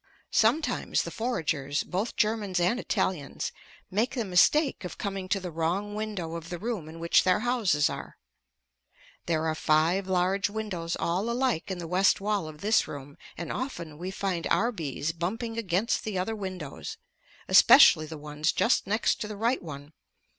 Sometimes the foragers, both Germans and Italians, make the mistake of coming to the wrong window of the room in which their houses are. There are five large windows all alike in the west wall of this room, and often we find our bees bumping against the other windows, especially the ones just next to the right one.